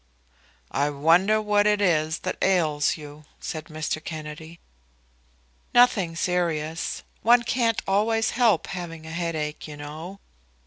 "I wonder what it is that ails you," said Mr. Kennedy. "Nothing serious. One can't always help having a headache, you know."